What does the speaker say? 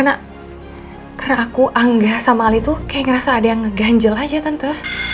ya karena aku anggah sama ali tuh kayak ngerasa ada yang ngeganjel aja tante